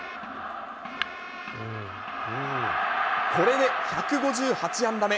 これで１５８安打目。